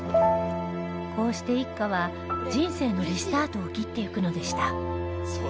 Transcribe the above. こうして一家は人生のリスタートを切っていくのでした